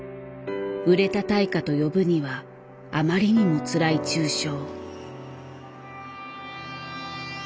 売れた対価と呼ぶにはあまりにもつらい中傷。